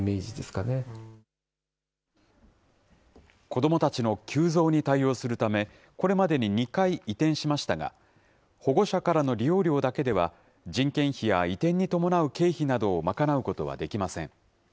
子どもたちの急増に対応するため、これまでに２回、移転しましたが、保護者からの利用料だけでは、人件費や移転に伴う経費などを賄うことはできません。